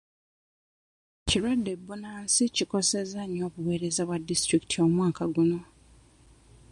Ekirwadde bbunansi kikosezza nnyo obuweereza bwa disitulikiti omwaka guno.